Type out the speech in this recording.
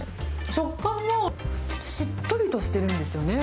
食感もちょっとしっとりとしてるんですよね。